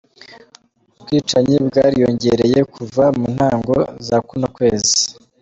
Ubwicanyi bwariyongeye kuva mu ntango za kuno kwezi.